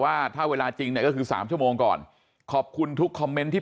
ว่าถ้าเวลาจริงเนี่ยก็คือสามชั่วโมงก่อนขอบคุณทุกคอมเมนต์ที่